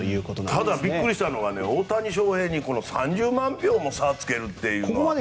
ただビックリしたのは大谷翔平に３０万票も差をつけるっていう。